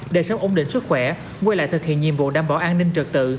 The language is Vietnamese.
để sớm ổn định sức khỏe quay lại thực hiện nhiệm vụ đảm bảo an ninh trợ tự